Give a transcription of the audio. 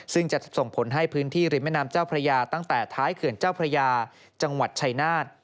ซึ่งจะส่งผลให้พื้นที่ริมแม่น้ำเจ้าพระยาตั้งแต่ท้ายเขื่อนเจ้าพระยาจังหวัดชายนาฏ